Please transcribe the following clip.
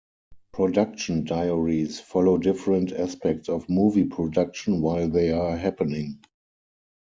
Production diaries follow different aspects of movie production while they are happening.